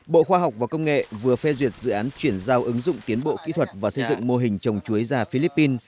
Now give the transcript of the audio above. bộ khoa học và công nghệ vừa phê duyệt dự án chuyển giao ứng dụng tiến bộ kỹ thuật và xây dựng mô hình trồng chuối già philippines